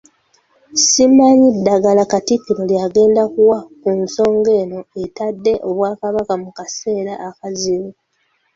Simanyi ddagala Katikkiro ly'agenda kuwa ku nsonga eno etadde Obwakabaka mu kaseera akazibu.